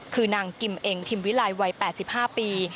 คือนางกิมเองทิมวิลัยวัย๘๕ปี